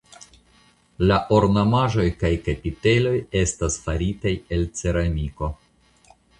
La ornamaĵoj kaj kapiteloj estas faritaj el ceramiko.